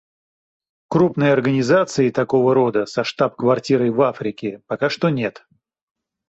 Крупной организации такого рода со штаб-квартирой в Африке пока что нет.